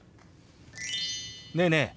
ねえねえ